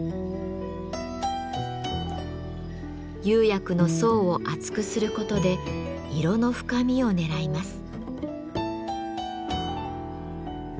釉薬の層を厚くすることで色の深みをねらいます。